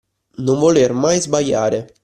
Non voler mai sbagliare